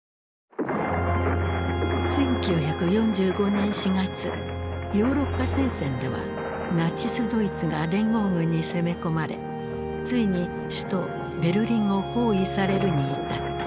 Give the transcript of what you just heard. １９４５年４月ヨーロッパ戦線ではナチスドイツが連合軍に攻め込まれついに首都ベルリンを包囲されるに至った。